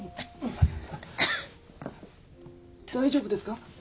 大丈夫ですか？